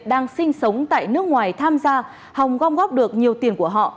đang sinh sống tại nước ngoài tham gia hồng gom góp được nhiều tiền của họ